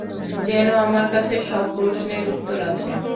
যেন আমার কাছে সব প্রশ্নের উত্তর আছে।